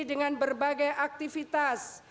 dengan berbagai aktivitas